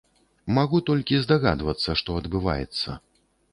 Магу толькі здагадвацца, што адбываецца.